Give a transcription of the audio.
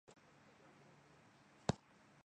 脑海总是浮现这句话